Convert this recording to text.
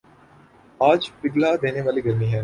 آج پگھلا دینے والی گرمی ہے